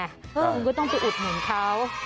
คุณก็ต้องไปอุดหนุนเขา